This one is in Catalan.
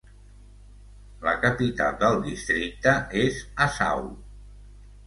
La capital del districte és Asau.